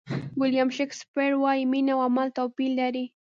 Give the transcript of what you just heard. ویلیام شکسپیر وایي مینه او عمل توپیر لري.